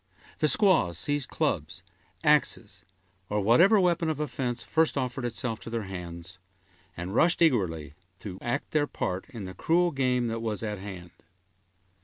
The squaws seized clubs, axes, or whatever weapon of offense first offered itself to their hands, and rushed eagerly to act their part in the cruel game that was at hand.